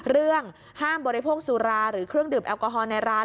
ห้ามบริโภคสุราหรือเครื่องดื่มแอลกอฮอลในร้าน